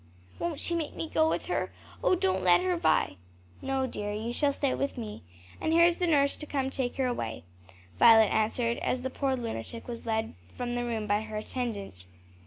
"Won't she make me go with her! oh, don't let her, Vi." "No, dear, you shall stay with me. And here is the nurse come to take her away," Violet answered, as the poor lunatic was led from the room by her attendant.